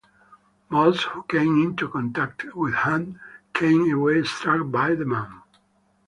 Most who came into contact with Hunt came away struck by the man.